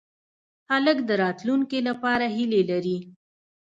هلک د راتلونکې لپاره هیلې لري.